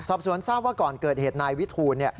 สอบสวนทราบว่าก่อนเกิดเหตุนายวิทูล